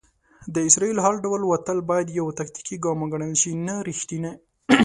د اسرائیلو هر ډول وتل بايد يو "تاکتيکي ګام وګڼل شي، نه ريښتينی".